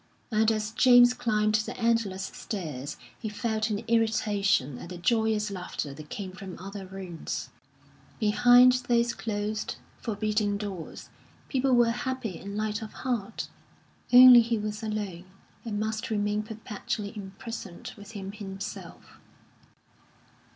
And as James climbed the endless stairs he felt an irritation at the joyous laughter that came from other rooms. Behind those closed, forbidding doors people were happy and light of heart; only he was alone, and must remain perpetually imprisoned within himself.